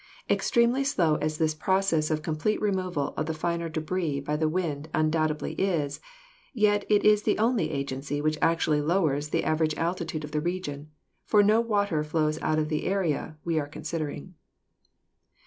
Extremely slow as this process of complete removal of the finer debris by the wind undoubtedly is, yet it is the only agency which actually lowers the average altitude of the region, for no water flows out of the area we are con sidering.